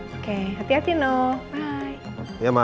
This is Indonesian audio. aku selesai meeting aku mau pulang ya ma